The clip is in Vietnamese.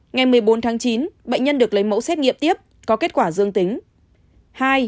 ngày một mươi bốn tháng chín bệnh nhân được lấy mẫu xét nghiệm tiếp có kết quả dương tính